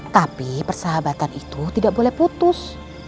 tapi persahabatan itu tidak boleh putus